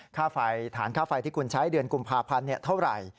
ค่าไฟฐานค่าไฟที่คุณใช้เดือนกุมภาพันธ์เท่าไหร่